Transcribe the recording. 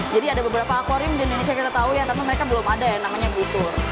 jadi ada beberapa aquarium di indonesia kita tahu ya tapi mereka belum ada ya namanya butur